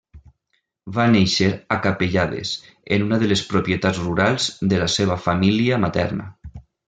Va néixer a Capellades, en una de les propietats rurals de la seva família materna.